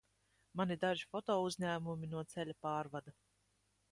Man ir daži fotouzņēmumi no ceļa pārvada.